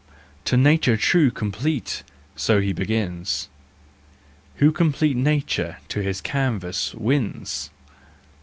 " To nature true, complete! " so he begins. Who complete Nature to his canvas wins